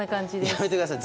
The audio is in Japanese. やめてください。